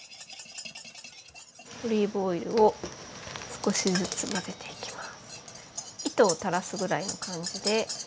オリーブオイルを少しずつ混ぜていきます。